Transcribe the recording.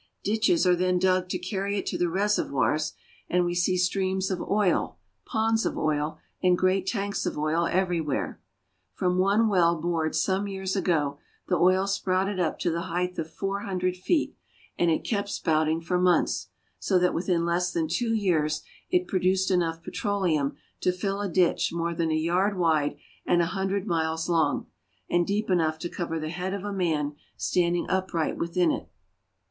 Ditches are then dug to carry it to the reservoirs, and we see streams of oil, ponds of oil, and great tanks of oil everywhere. From one well bored some years ago, the oil spouted up to the height of four hundred feet, and it kept spouting for months; so that within less than two years it produced enough petroleum 360 RUSSIA. to fill a ditch more than a yard wide and a hundred miles long, and deep enough to cover the head of a man stand ing upright within it.